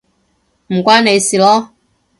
唔關你事囉